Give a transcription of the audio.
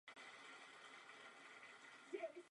Tento jev byl blíže zkoumán při dvou misích Voyager.